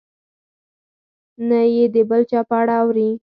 نه یې د بل چا په اړه اوري.